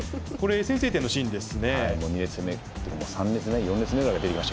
これ先制点のシーンですね。